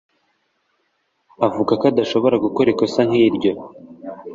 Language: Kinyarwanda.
avuga ko adashobora gukora ikosa nk’iryo